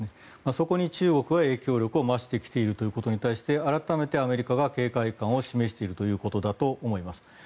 そこに中国が影響力を増してきているということに対して改めてアメリカが警戒感を示しているということだと思います。